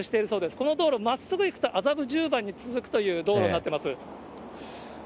この道路、まっすぐ行くと麻布十番に続くという道路になってます。